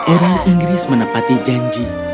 era inggris menepati janji